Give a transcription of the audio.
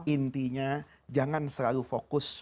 intinya jangan selalu fokus